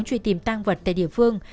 truy tìm thang vật tại địa phương